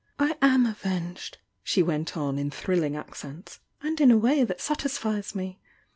;;i am avenged!" she went on, in thrilling accents — And m a way that satisfies me.